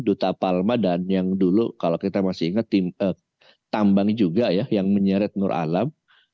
duta palma dan yang dulu kalau kita masih ingat tambang juga ya yang menyeret nur alam